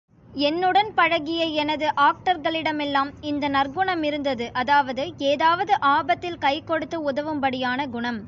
என்னுடன் பழகிய எனது ஆக்டர்களிடமெல்லாம் இந்த நற்குணமிருந்தது அதாவது, ஏதாவது ஆபத்தில் கை கொடுத்து உதவும்படியான குணம்.